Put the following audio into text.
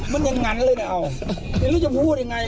เอ้าอย่างนั้นนี่จะพูดยังไงล้ว